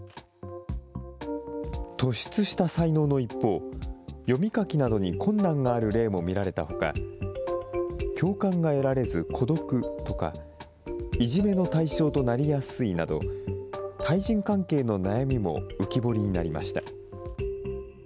突出した才能の一方、読み書きなどに困難がある例も見られたほか、共感が得られず孤独とか、いじめの対象となりやすいなど、対人関係の悩みも浮き彫りになりました。